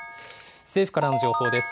政府からの情報です。